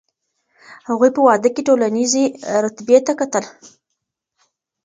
هغوی په واده کي ټولنیزې رتبې ته کتل.